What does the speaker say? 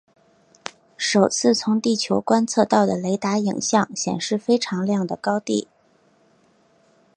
首次从地球观测到的雷达影像显示非常亮的高地。